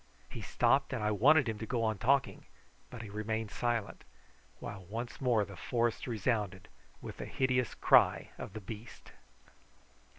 He stopped, and I wanted him to go on talking, but he remained silent, while once more the forest resounded with the hideous cry of the beast.